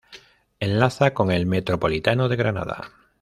Enlaza con el Metropolitano de Granada.